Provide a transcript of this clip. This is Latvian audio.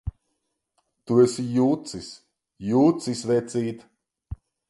Tu esi jucis! Jucis, vecīt!